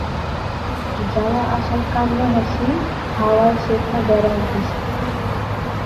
যাওয়া-আসার কান্নাহাসি হাওয়ায় সেথা বেড়ায় ভেসে।